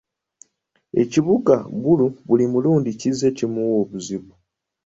Ekibuga Gulu buli mulundi kizze kimuwa obuzibu.